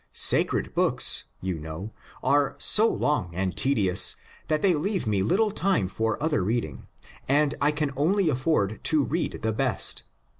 Sacred books, you know, are so long and tedious that they leave me little time for other reading, and I can only afford to read the best.